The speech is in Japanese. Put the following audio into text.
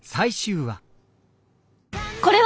これは。